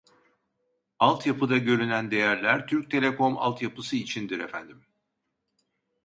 Alt yapıda görünen değerler Türk Telekom alt yapısı içindir efendim